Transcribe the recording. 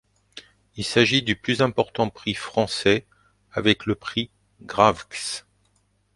Il s'agit du plus important prix français avec le prix Grav'x.